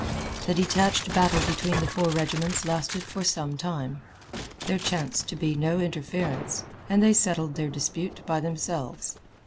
The detached battle between the four regiments lasted for some time. There chanced to be no interference, and they settled their dispute by themselves.